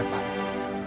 jangan jauh ke depan